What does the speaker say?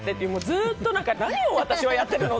ずっと何を私はやってるの？